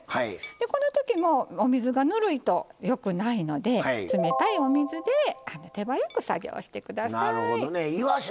この時もお水がぬるいとよくないので冷たいお水で手早く作業して下さい。